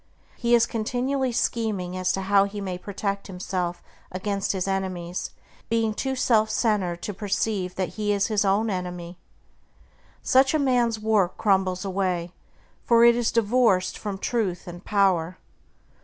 He is continually scheming as to how he may protect himself against his enemies, being too self centered to perceive that he is his own enemy. Such a man's work crumbles away, for it is divorced from Truth and power.